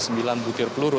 ada sembilan butir peluru